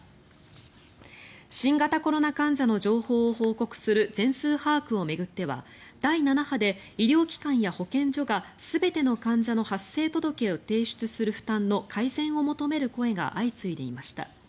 新型コロナ患者の情報を報告する全数把握を巡っては第７波で医療機関や保健所が全ての患者の発生届を提出する負担の改善を求める声が相次いでいました。